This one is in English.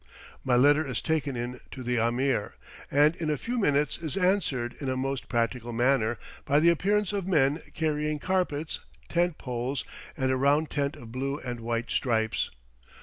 My letter is taken in to the Ameer, and in a few minutes is answered in a most practical manner by the appearance of men carrying carpets, tent poles, and a round tent of blue and white stripes.